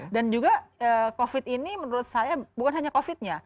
dan juga covid ini menurut saya bukan hanya covidnya